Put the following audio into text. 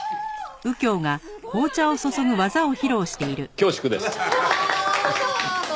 恐縮です。